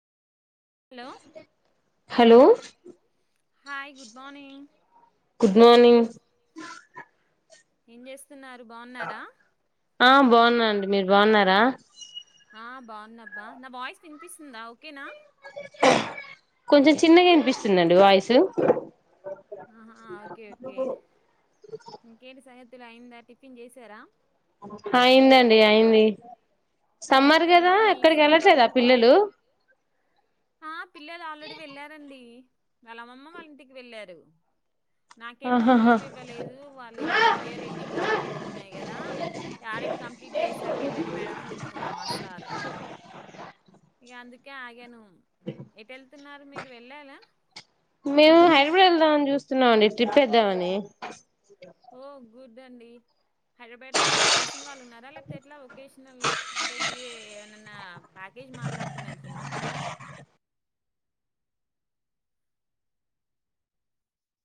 Hello hello hi good morning good morning ఏంజేస్ స్తున్నారు బాగున్నారా ఆ బాగున్నాండి మీరు బాగున్నాను. బాగున్నారా బాగున్నారా? ఆ బాగున్నాబ్బా నా వాయిస్ తినిపిస్తుందా ఓకేనా కొంచెం చిన్నగా వినిపిస్తుందండి వాయిసు ఆహా ఓకే ఓకే ఇంకేంటి సంగ తులు అయిందా టిఫిన్ చేసారా అయిందండి అయింది సమ్మర్ కదా ఏంటి ఎక్కడికి నీరసంగా వెళ్ళట్లేదా మాట్లాడుతున్నా పిల్లలు ఆ పిల్లలు ఆల్రెడీ వెళ్లారండి ఏ వాళ్ళమ్మ వాళ్ళ ఇంటికి వెళ్ళారు నాకేమో ఆహాహా లీవ్ ఇవ్వలేదు వాళ్ళ ఇప్పుడు ఇయర్ ఎండింగ్ ఆడిట్లు ఉన్నాయి కదా ఆడిట్ కంప్లీట్ చేసాక వెల్లండి మేడం అని చెప్తున్నారు మా సారు ఇంకా అందుక కే ఆగాను ఎటు వెళ్తున్నారు మీరు వెళ్ళాలా మేము హైదరాబాద్ వెలదామని చూస్తున్నామ అండి ట్రిప్ వేదమని ఓ గుడ్ ఇదండి హైదరాబాద్ లో అంటే తెలిసిన వాళ్ళు ఉన్నారా లేకపోతే ఎట్లా వొకేషనల్ అంటే మీరే అన్న ప్యాకేజీ మాట్లాడుకొని వెళ్తున్నారా